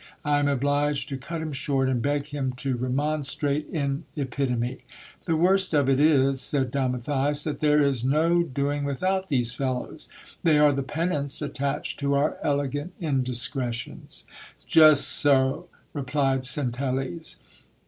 I am obliged to cut him short, and beg him to remonstrate in epitome* 'The worst of it is," said Don Matthias, "that there is no doing without these fellows ; they are the penance attached to our elegant indiscretions. Just so, replied Centelles.